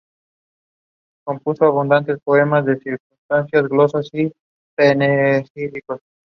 Vicente attended La Salle Green Hills for his elementary and high school education.